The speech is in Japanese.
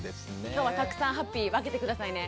今日はたくさんハッピー分けて下さいね。